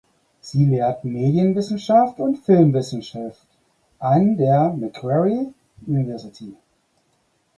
Sie lehrt Medienwissenschaft und Filmwissenschaft an der Macquarie University.